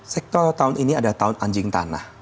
sektor tahun ini ada tahun anjing tanah